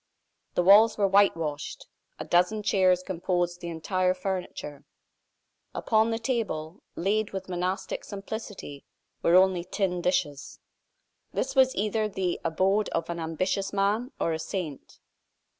The walls were whitewashed; a dozen chairs composed the entire furniture; upon the table, laid with monastic simplicity, were only tin dishes. This was either the abode of an ambitious man or a saint.